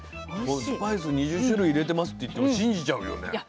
これスパイス２０種類入れてますって言っても信じちゃうよね。